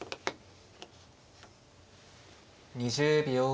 ２０秒。